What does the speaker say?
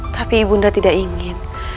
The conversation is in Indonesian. tapi ibu kak tidak ingin